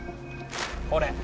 これ。